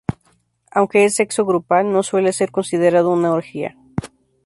Aunque es sexo grupal, no suele ser considerado una orgía.